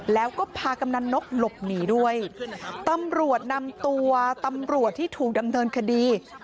แล้วก็พากำนันนกหลบหนีด้วยตำรวจนำตัวตำรวจที่ถูกดำเนินคดี